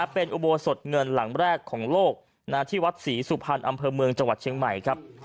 เป็นอุโบสถเงินหลังแรกของโลกที่วัดศรีสุพรรณอำเภอเมืองจังหวัดเชียงใหม่ครับ